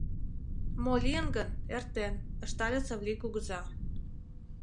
Мо лийын гын, эртен, — ыштале Савлий кугыза.